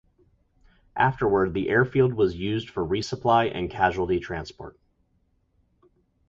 Afterward, the airfield was used for resupply and casualty transport.